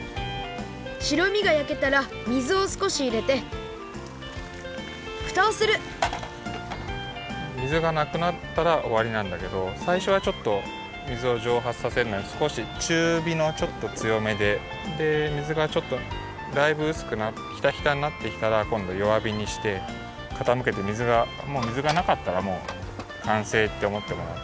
しろみがやけたら水をすこしいれてふたをする水がなくなったらおわりなんだけどさいしょはちょっと水をじょうはつさせるのにすこしちゅうびのちょっとつよめで水がちょっとだいぶうすくひたひたになってきたらこんどよわびにしてかたむけてもう水がなかったらもうかんせいっておもってもらって。